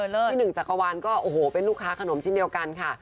พี่หนึ่งจักรวาลก็โอ้โหเป็นลูกค้าขนมชิ้นเดียวกันค่ะ